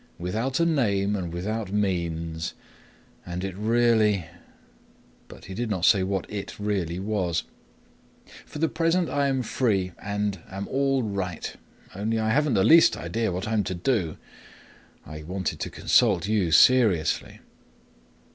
"Without a name and without means... And it really..." But he did not say what "it really" was. "For the present I am free and am all right. Only I haven't the least idea what I am to do; I wanted to consult you seriously."